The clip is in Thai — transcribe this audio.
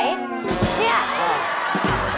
นี่